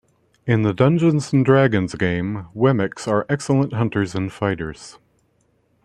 In the Dungeons and Dragons game, Wemics are excellent hunters and fighters.